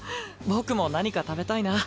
僕も何か食べたいな。